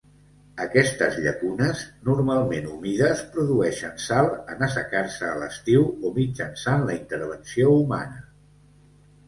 Aquestes llacunes, normalment humides, produeixen sal en assecar-se a l'estiu o mitjançant la intervenció humana.